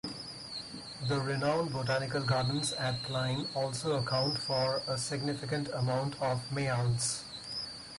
The renowned botanical gardens at Clyne also account for a significant amount of Mayals.